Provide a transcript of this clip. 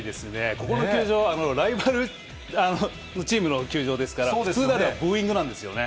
ここの球場は、ライバルチームの球場ですから、普通だとブーイングなんですよね。